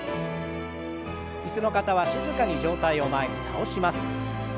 椅子の方は静かに上体を前に倒します。